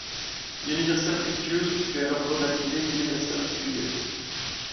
Universal Pictures fut alors rebaptisé Universal Studios.